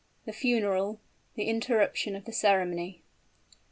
THE FUNERAL THE INTERRUPTION OF THE CEREMONY.